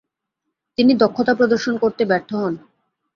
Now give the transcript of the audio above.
তিনি দক্ষতা প্রদর্শন করতে ব্যর্থ হন।